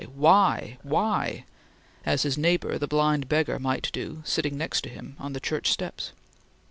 Why!! Why!!! as his neighbor, the blind beggar, might do, sitting next him, on the church steps.